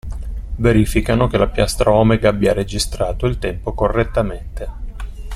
Verificano che la piastra omega abbia registrato il tempo correttamente.